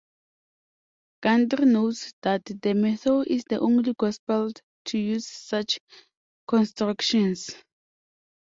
Gundry notes that the Matthew is the only gospel to use such constructions.